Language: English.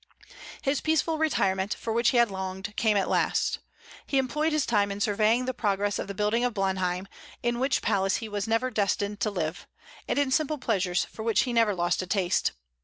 His peaceful retirement, for which he had longed, came at last. He employed his time in surveying the progress of the building of Blenheim, in which palace he was never destined to live, and in simple pleasures, for which he never lost a taste.